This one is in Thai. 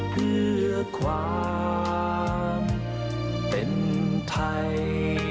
เพื่อความเป็นไทย